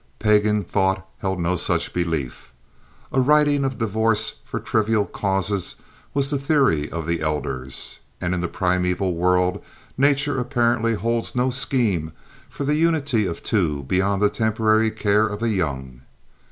Pagan thought held no such belief. A writing of divorce for trivial causes was the theory of the elders; and in the primeval world nature apparently holds no scheme for the unity of two beyond the temporary care of the young.